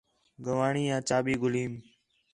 ڳوانݙی یا چابی گھلیم